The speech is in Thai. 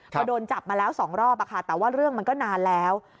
พอโดนจับมาแล้ว๒รอบแต่ว่าเรื่องมันก็นานแล้ว